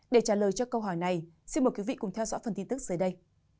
để trả lời cho câu hỏi này xin mời quý vị cùng theo dõi phần tin tức dưới đây